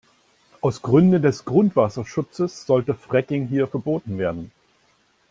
Aus Gründen des Grundwasserschutzes sollte Fracking hier verboten werden.